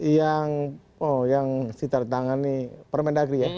yang ditandatangani permendagri ya